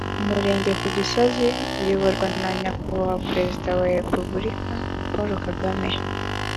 umurenge ku gisozi uyoborwa na nyakubahwa perezida wa repubulika paul kagame